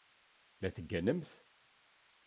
La tegganemt?